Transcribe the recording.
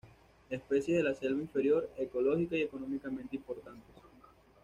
Especies de la selva inferior ecológica y económicamente importantes.